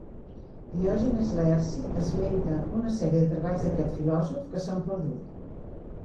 Diògenes Laerci esmenta una sèrie de treballs d'aquest filòsof que s'han perdut.